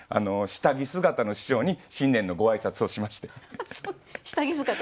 下着姿の師匠に新年のご挨拶をしまして。